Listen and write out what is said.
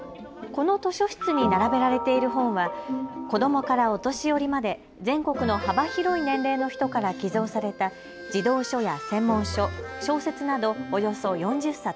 この図書室に並べられている本は子どもからお年寄りまで全国の幅広い年齢の人から寄贈された児童書や専門書、小説などおよそ４０冊。